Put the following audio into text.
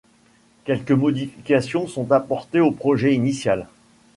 Quelques modifications sont apportées au projet initial.